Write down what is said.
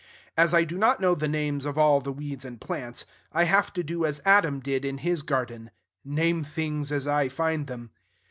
As I do not know the names of all the weeds and plants, I have to do as Adam did in his garden, name things as I find them.